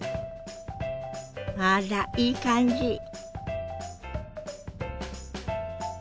あらいい感じ。